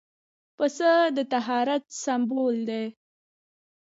پسه د طهارت سمبول دی.